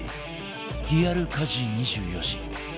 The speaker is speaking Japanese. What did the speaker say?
リアル家事２４時